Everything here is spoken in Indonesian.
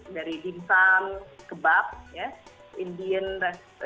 dari dimsum kebab indian food itu rata rata halal